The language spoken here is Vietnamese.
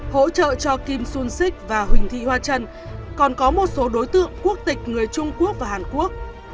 hỗ trợ cho kim xuân xích và huỳnh thị hoa trần còn có một số đối tượng quốc tịch người trung quốc và hàn quốc